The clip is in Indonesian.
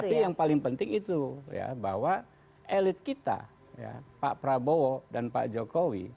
tapi yang paling penting itu ya bahwa elit kita pak prabowo dan pak jokowi